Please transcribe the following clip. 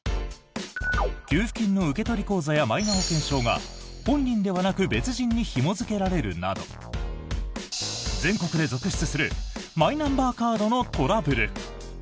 給付金の受取口座やマイナ保険証が本人ではなく別人にひも付けられるなど全国で続出するマイナンバーカードのトラブル。